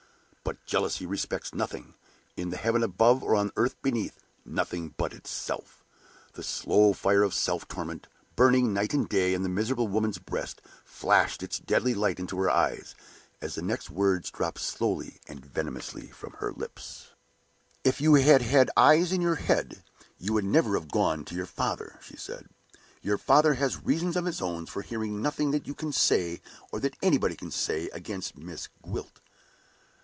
But jealousy respects nothing; in the heaven above and on the earth beneath, nothing but itself. The slow fire of self torment, burning night and day in the miserable woman's breast, flashed its deadly light into her eyes, as the next words dropped slowly and venomously from her lips. "If you had had eyes in your head, you would never have gone to your father," she said. "Your father has reasons of his own for hearing nothing that you can say, or that anybody can say, against Miss Gwilt."